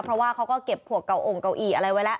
เพราะว่าเขาก็เก็บพวกเก่าองเก่าอี้อะไรไว้แล้ว